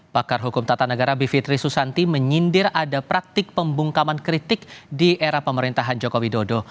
pakar hukum tata negara bivitri susanti menyindir ada praktik pembungkaman kritik di era pemerintahan joko widodo